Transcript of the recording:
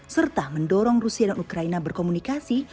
serta mendorong rusia dan ukraina berkomunikasi